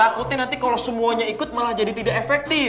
takutnya nanti kalau semuanya ikut malah jadi tidak efektif